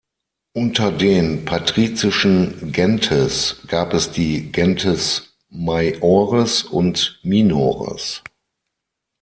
Unter den patrizischen "gentes" gab es die "gentes maiores" und "minores".